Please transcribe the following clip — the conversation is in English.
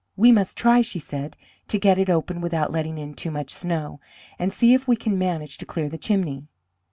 "We must try," she said, "to get it open without letting in too much snow, and see if we can manage to clear the chimney."